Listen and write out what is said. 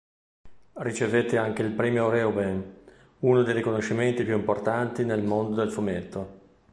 Ricevette anche il Premio Reuben, uno dei riconoscimenti più importanti nel mondo del fumetto.